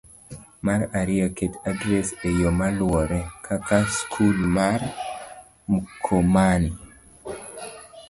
Mar ariyo, ket adres e yo maluwore, kaka: Skul mar Mkomani: